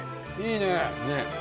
いいね！